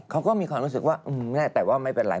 เขาก็มีความรู้สึกว่าแน่แต่ว่าไม่เป็นไร